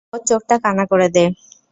ওর চোখটা কানা করে দে!